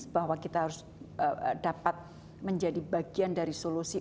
bahwa kita harus dapat menjadi bagian dari solusi